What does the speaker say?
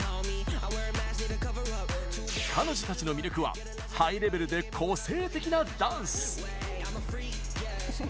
彼女たちの魅力はハイレベルで個性的なダンス！